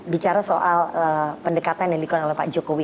bicara soal pendekatan yang dikeluarkan oleh pak jokowi